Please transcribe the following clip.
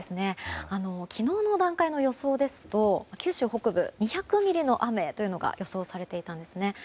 昨日の段階の予想ですと九州北部は２００ミリの雨というのが予想されていたんですね。